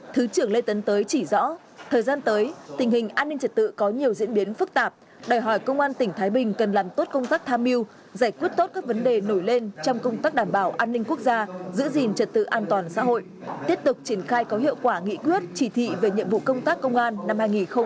thứ trưởng lê tấn tới chỉ rõ thời gian tới tình hình an ninh trật tự có nhiều diễn biến phức tạp đòi hỏi công an tỉnh thái bình cần làm tốt công tác tham mưu giải quyết tốt các vấn đề nổi lên trong công tác đảm bảo an ninh quốc gia giữ gìn trật tự an toàn xã hội tiếp tục triển khai có hiệu quả nghị quyết chỉ thị về nhiệm vụ công tác công an năm hai nghìn hai mươi ba